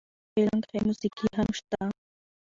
فلم کښې موسيقي هم شته